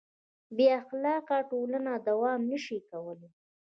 بېاخلاقه ټولنه دوام نهشي کولی.